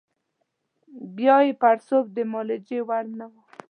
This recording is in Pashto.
بیا یې پړسوب د معالجې وړ نه وو.